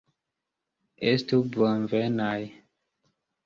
Estu bonvenaj!